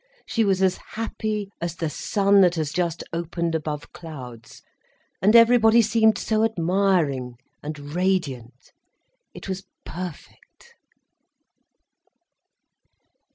She was as happy as the sun that has just opened above clouds. And everybody seemed so admiring and radiant, it was perfect.